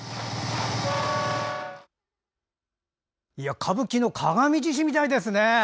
歌舞伎の鏡じしみたいですね。